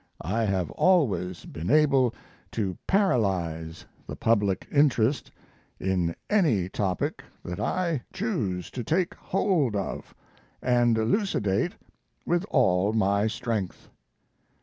I have always been able to paralyze the public interest in any topic that I chose to take hold of and elucidate with all my strength.